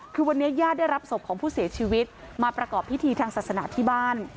คือวันนี้ญาติได้รับศพของผู้เสียชีวิตมาประกอบพิธีทางศาสนาที่บ้าน